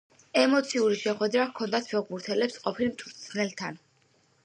ემოციური შეხვედრა ჰქონდათ ფეხბურთელებს ყოფილ მწვრთნელთან.